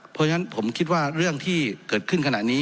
เพราะฉะนั้นผมคิดว่าเรื่องที่เกิดขึ้นขณะนี้